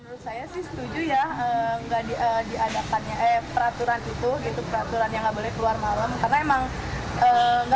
menurut saya itu sangat tidak adil